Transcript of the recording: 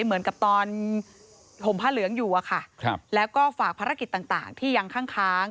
เหมือนกับตอนห่มผ้าเหลืองอยู่อะค่ะแล้วก็ฝากภารกิจต่างที่ยังข้าง